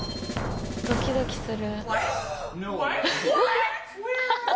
ドキドキする。